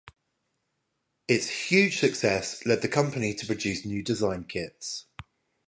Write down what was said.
Its huge success led the company to produce new kit designs.